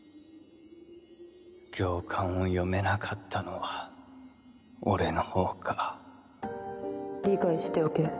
行間を読めなかったのは俺のほうか。理解しておけ。